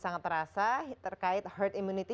sangat terasa terkait herd immunity